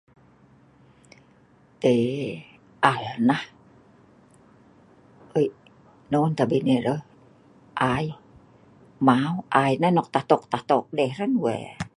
teii.. nah wei non tabei nai ro? ai? mau ai nah nok tatok tatok dei hran wae